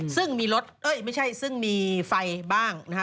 ซึ่งมีรถเอ้ยไม่ใช่ซึ่งมีไฟบ้างนะฮะ